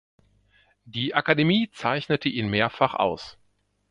Die Akademie zeichnete ihn mehrfach aus.